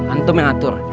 anto mengatur oke